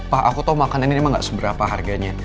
pak aku tahu makanan ini emang gak seberapa harganya